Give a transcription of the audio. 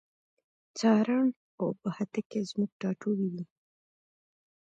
تارڼ اوبښتکۍ زموږ ټاټوبی دی.